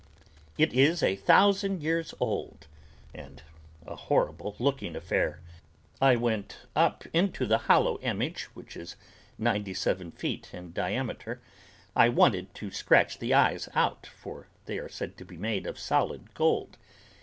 It is a thousand years old and a horrible looking affair. I went up into the hollow image which is ninety seven feet in diameter. I wanted to scratch the eyes out, for they are said to be made of solid gold.